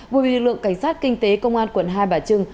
với lượng cảnh sát kinh tế công an quận hai bà trưng